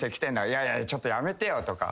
いやいやちょっとやめてよとか。